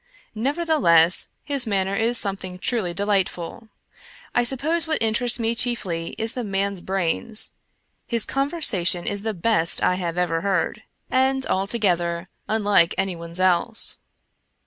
Never theless, his manner is something truly delightful. I sup pose what interests me chiefly is the man's brains. His conversation is the best I have ever heard, and altogether unlike anyone's else.